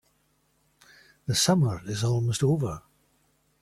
The summer is almost over.